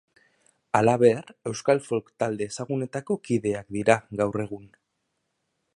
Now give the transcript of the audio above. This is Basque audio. Halaber, euskal folk talde ezagunenetako kideak dira, gaur egun.